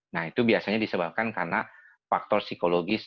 nah itu biasanya disebabkan karena faktor psikologis